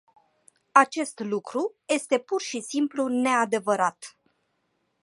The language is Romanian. Acest lucru este pur și simplu neadevărat.